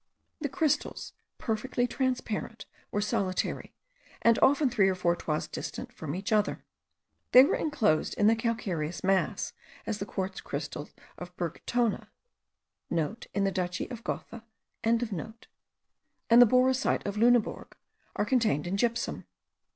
The crystals, perfectly transparent, were solitary, and often three or four toises distant from each other. They were enclosed in the calcareous mass, as the quartz crystals of Burgtonna,* (* In the duchy of Gotha.) and the boracite of Lunebourg, are contained in gypsum.